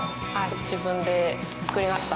自分で作りました。